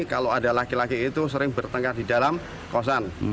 kalau ada laki laki itu sering bertengkar di dalam kosan